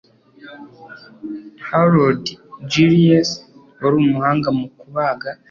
Harold Gillies wari umuhanga mu kubaga